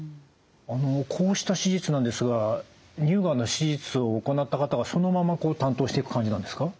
あのこうした手術なんですが乳がんの手術を行った方がそのまま担当していく感じなんですか？